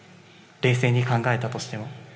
冷静に考えたとしても。